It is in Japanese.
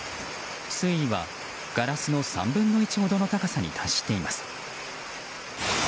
水位はガラスの３分の１ほどの高さに達しています。